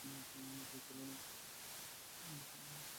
কেউ ছিল না!